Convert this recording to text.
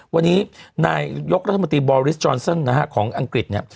วันนี้นายยกรัฐมนตรีบอริสต์จอลซ่อนซ่อนนะครับของอังกฤษเนี่ย